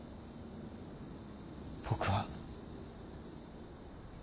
僕は。